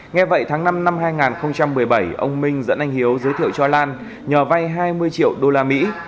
nghe vậy tháng năm năm hai nghìn một mươi bảy ông minh dẫn anh hiếu giới thiệu cho lan nhờ vay hai mươi triệu đô la mỹ